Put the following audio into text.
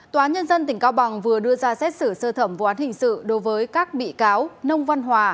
tòa nhân dân tỉnh cao bằng vừa đưa ra xét xử sơ thẩm vụ án hình sự đối với các bị cáo nông văn hòa